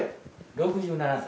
６７歳。